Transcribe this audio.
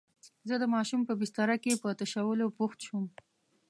زه د ماشوم په بستره کې په تشولو بوخت شوم.